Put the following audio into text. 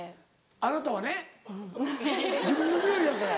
あなたはね自分のにおいやからや。